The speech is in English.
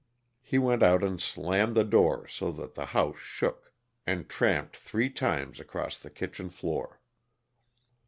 He went out and slammed the door so that the house shook, and tramped three times across the kitchen floor.